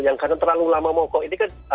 yang karena terlalu lama mokok ini kan